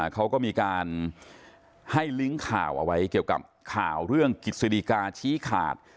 เขาก็มีการให้ลิงก์ข่าวเอาไว้เกี่ยวกับข่าวเรื่องกิจสดีกาชี้ขาด